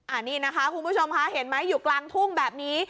อันนี้นะคะคุณผู้ชมค่ะเห็นไหมอยู่กลางทุ่งแบบนี้